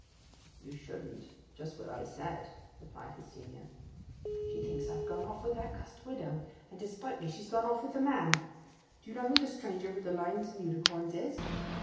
'You shouldn't—just what I said,' replied his senior. 'She thinks I've gone off with that cust widow; and to spite me she's gone off with the man! Do you know who that stranger wi' the lions and unicorns is?